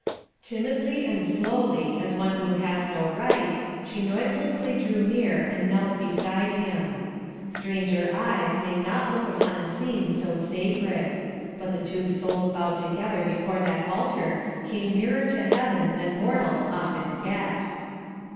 Timidly and slowly, as one who has no right, she noiselessly drew near and knelt beside him. Stranger eyes may not look upon a scene so sacred; but the two souls bowed together before that altar came nearer to heaven than mortals often get.